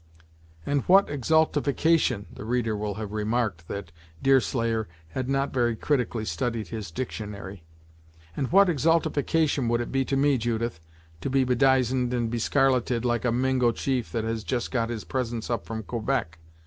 "And what exaltification" the reader will have remarked that Deerslayer had not very critically studied his dictionary "and what exaltification would it be to me, Judith, to be bedizened and bescarleted like a Mingo chief that has just got his presents up from Quebec?